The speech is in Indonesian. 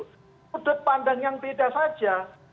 sudut pandang yang beda saja